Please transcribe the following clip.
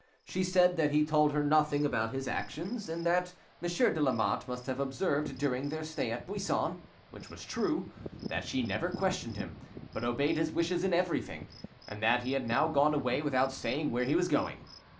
She said that he told her nothing about his actions, and that Monsieur de Lamotte must have observed during their stay at Buisson (which was true) that she never questioned him, but obeyed his wishes in everything; and that he had now gone away without saying where he was going.